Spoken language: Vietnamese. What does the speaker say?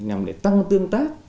nhằm để tăng tương tác